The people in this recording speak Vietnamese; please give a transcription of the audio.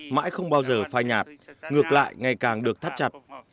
mãi không bao giờ phai nhạt ngược lại ngày càng được thắt chặt